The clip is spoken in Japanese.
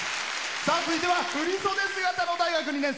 続いては振り袖姿の大学２年生。